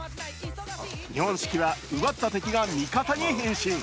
日本式は奪った敵が味方に変身。